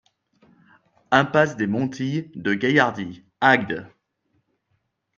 Impasse des Montilles de Gaillardy, Agde